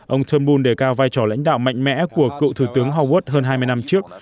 ông turmbul đề cao vai trò lãnh đạo mạnh mẽ của cựu thủ tướng huốt hơn hai mươi năm trước